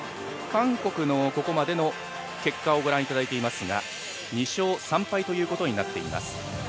韓国のここまでの結果を御覧いただいていますが２勝３敗になっています。